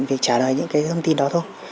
thì trả lời những cái thông tin đó thôi